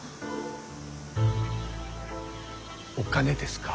お金ですか？